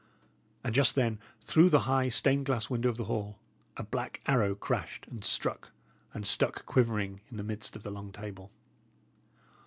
And just then, through the high, stained glass window of the hall, a black arrow crashed, and struck, and stuck quivering, in the midst of the long table.